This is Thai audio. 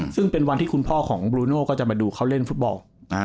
ซึ่งเป็นวันที่คุณพ่อของบลูโน่ก็จะมาดูเขาเล่นฟุตบอล